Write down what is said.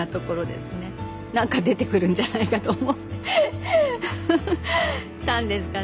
何か出てくるんじゃないかと思ったんですかね。